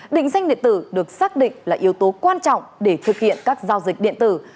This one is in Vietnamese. định danh điện tử được xác định là yếu tố quan trọng để thực hiện các giao dịch điện tử